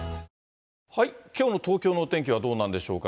きょうの東京のお天気はどうなんでしょうか。